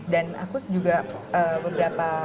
dan aku juga beberapa